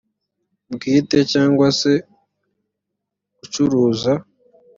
bwite cyangwa se gucuruza